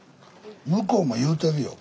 向こうも言うてるよ。